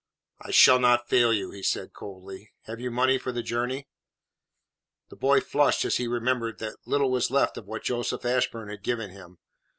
"I shall not fail you," he said coldly. "Have you money for the journey?" The boy flushed as he remembered that little was left of what Joseph Ashburn had given him.